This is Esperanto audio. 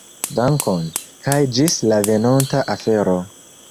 Dankon, kaj ĝis la venonta afero.